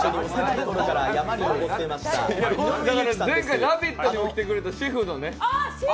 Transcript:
前回「ラヴィット！」にも来てくれたシェフのね。